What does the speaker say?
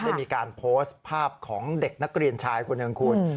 ได้มีการโพสต์ภาพของเด็กนักเรียนชายคนหนึ่งคุณ